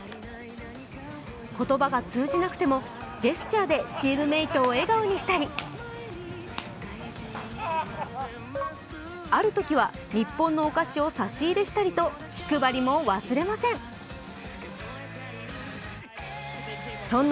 言葉が通じなくてもジェスチャーでチームメートを笑顔にしたり、あるときは、日本のお菓子を差し入れしたりと気配りも忘れません。